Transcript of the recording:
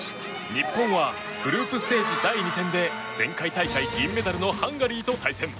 日本はグループステージ第２戦で前回大会、銀メダルのハンガリーと対戦。